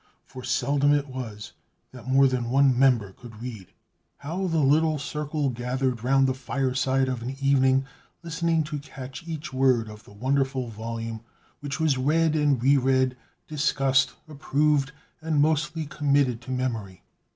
for seldom it was that more than one member could read. How the little circle gathered round the fireside of an evening, listening to catch each word of the wonderful volume, which was read and re read, discussed, approved, and mostly committed to memory.